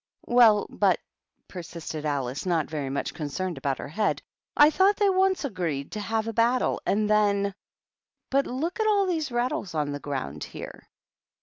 "Well, but," persisted Alice, not very much concerned about her head, "I thought they once agreed to have a battle, and then But loot at all these rattles on the ground here!"